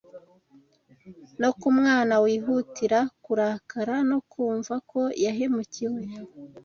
No ku mwana wihutira kurakara no kumva ko yahemukiwe